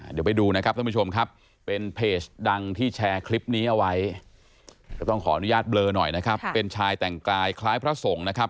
เดี๋ยวไปดูนะครับท่านผู้ชมครับ